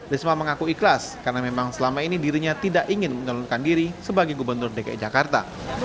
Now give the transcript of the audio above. risma mengaku ikhlas karena memang selama ini dirinya tidak ingin menurunkan diri sebagai gubernur dki jakarta